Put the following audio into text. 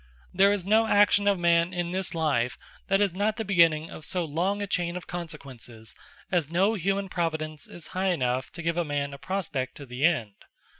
There is no action of man in this life, that is not the beginning of so long a chayn of Consequences, as no humane Providence, is high enough, to give a man a prospect to the end.